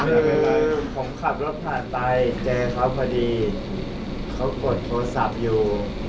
คือผมขับรถผ่านไปเจอเขาพอดีเขากดโทรศัพท์อยู่